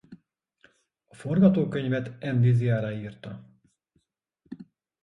A forgatókönyvet Andy Siara írta.